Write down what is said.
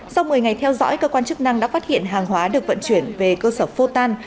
sau một mươi ngày theo dõi cơ quan chức năng đã phát hiện hàng hóa được vận chuyển về cơ sở photan